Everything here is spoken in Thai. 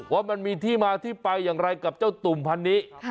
ว่ามันมีที่มาที่ไปอย่างไรกับเจ้าตุ่มพันนี้